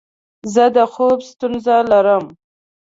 زه د خوب ستونزه لرم.